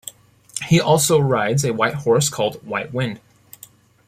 He also rides a white horse called White Wind.